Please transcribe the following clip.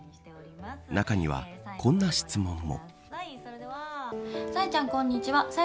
中には、こんな質問も。